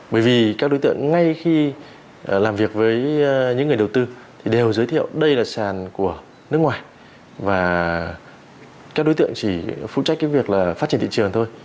bởi vì các đối tượng ngay khi làm việc với những người đầu tư thì đều giới thiệu đây là sàn của nước ngoài và các đối tượng chỉ phụ trách cái việc là phát triển thị trường thôi